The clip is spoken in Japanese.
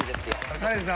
カレンさん